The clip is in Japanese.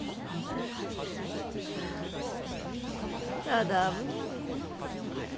ただ危のうございますね。